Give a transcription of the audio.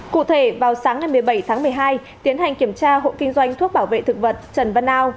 cụ thể vào sáng ngày một mươi bảy tháng một mươi hai tiến hành kiểm tra hộ kinh doanh thuốc bảo vệ thực vật trần văn ao